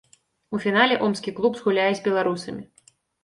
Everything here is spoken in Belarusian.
У фінале омскі клуб згуляе з беларусамі.